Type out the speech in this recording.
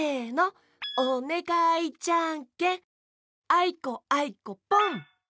あいこあいこポン！